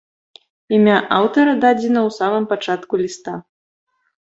Імя аўтара дадзена ў самым пачатку ліста.